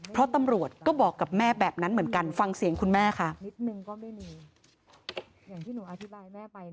เพราะตำรวจก็บอกกับแม่แบบนั้นเหมือนกันฟังเสียงคุณแม่ค่ะ